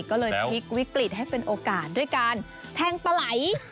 ก็เลยพลิกวิกฤตให้เป็นโอกาสด้วยการแทงปลาไหล